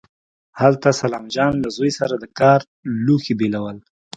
هلته سلام جان له زوی سره د کار لوښي بېلول.